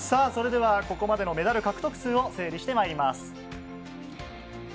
ここまでのメダル獲得数を整理してまいります。